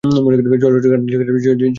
চলচ্চিত্রটির গান লিখেছেন জাভেদ আখতার।